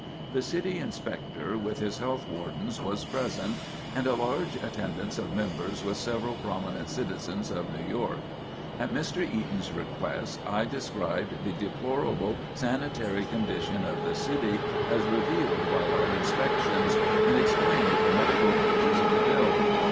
The City Inspector, with his health wardens, was present, and a large attendance of members with several prominent citizens of New York. At Mr. Eaton's request I described the deplorable sanitary condition of the city as revealed by our inspections and explained the medical features of the bill.